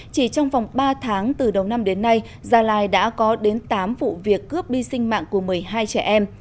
chỉ trong vòng ba tháng từ đầu năm đến nay gia lai đã có đến tám vụ việc cướp đi sinh mạng của một mươi hai trẻ em